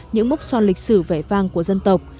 những mốc son lịch sử vẻ vang của dân tộc